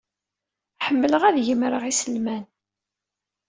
Ḥemmleɣ ad gemreɣ iselman.